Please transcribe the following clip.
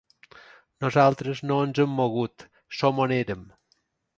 Nosaltres no ens hem mogut, som on érem.